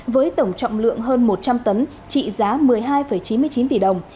với tổng trọng lượng hơn một trăm linh tấn trị giá một mươi hai chín mươi chín tỷ đồng